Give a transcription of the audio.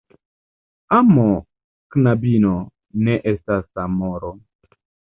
Amo, knabinoj, ne estas Amoro.